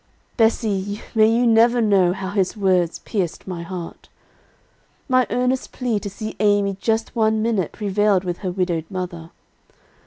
"Bessie, may you never know how his words pierced my heart! "My earnest plea to see Amy just one minute, prevailed with her widowed mother.